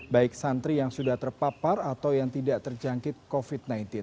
baik santri yang sudah terpapar atau yang tidak terjangkit covid sembilan belas